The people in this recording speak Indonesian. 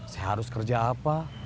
saya harus kerja apa